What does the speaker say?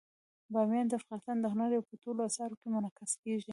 بامیان د افغانستان د هنر په ټولو اثارو کې منعکس کېږي.